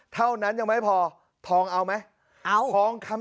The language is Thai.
เท่านั้นยังไม่พอทองเอาไหม